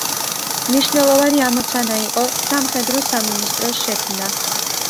მნიშვნელოვანი ამოცანა იყო სამხედრო სამინისტროს შექმნა.